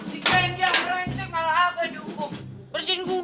si gajah merengsek malah aku yang dihukum